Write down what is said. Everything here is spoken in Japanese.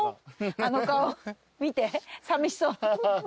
あの顔見てさみしそう。